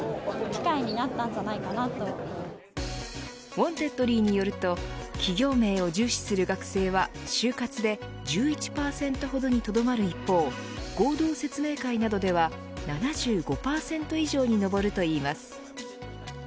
ウォンテッドリーによると企業名を重視する学生は就活で１１％ほどにとどまる一方合同説明会などでは７５％以上に上るといいます。